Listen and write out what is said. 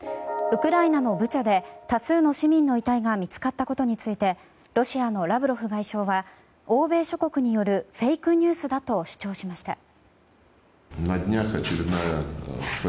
ウクライナのブチャで多数の市民の遺体が見つかったことについてロシアのラブロフ外相は欧米諸国によるフェイクニュースだと主張しました。